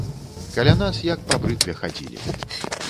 Каля нас як па брытве хадзілі.